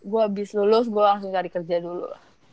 gue habis lulus gue langsung cari kerja dulu